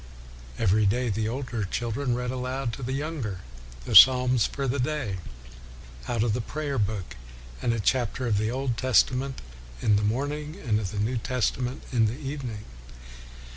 Every day the older children read aloud to the younger the Psalms for the day, out of the prayer book, and a chapter of the Old Testament in the morning, and of the New Testament in the evening.